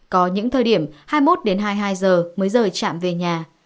có những thời điểm hai mươi một đến hai mươi hai giờ mới rời trạm về nhà